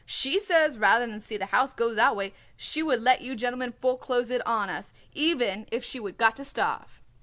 She says rather than see the house go that way she would let you gentlemen foreclose it on us, even if she would got to starve."